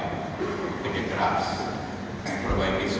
bekerja keras berbaik di situ